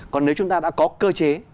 còn nếu chúng ta đã có cơ chế